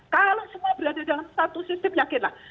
kalau semua berada dalam satu sistem yakinlah